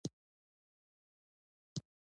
سیلاني ځایونه د افغانستان د اقتصاد یوه برخه ده.